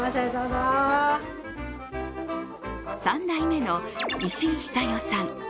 ３代目の石井寿代さん。